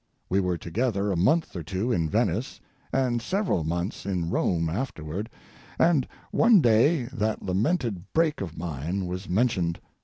We were together a month or two in Venice and several months in Rome, afterward, and one day that lamented break of mine was mentioned.